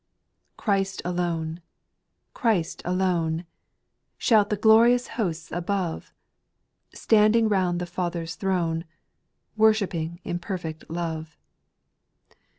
6. Christ alone — Christ alone — Shout the glorious hosts above. Standing round the Father's throne, Worshipping in perfect love.